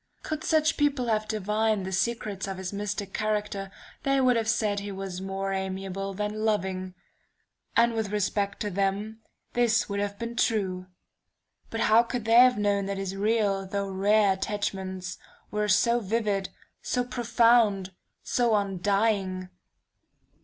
"Could such people have divined the secrets of his mystic character, they would have said he was more amiable than loving and with respect to them, this would have been true. But how could they have known that his real, though rare attachments, were so vivid, so profound, so undying?...